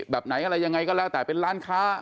แบบไหนอะไรยังไงก็แล้วแต่เป็นร้านค้า